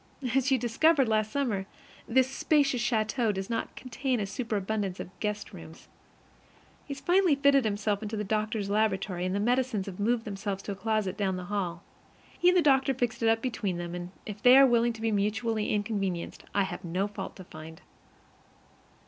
As you discovered last summer, this spacious château does not contain a superabundance of guest rooms. He has finally fitted himself into the doctor's laboratory, and the medicines have moved themselves to a closet down the hall. He and the doctor fixed it up between them, and if they are willing to be mutually inconvenienced, I have no fault to find.